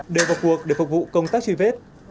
đều vào cuộc để phục vụ công tác truy vết